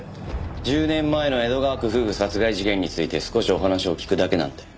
１０年前の江戸川区夫婦殺害事件について少しお話を聞くだけなんで。